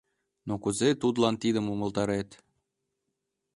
Но кузе тудлан тидым умылтарет?